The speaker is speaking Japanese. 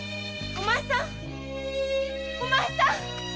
お前さん！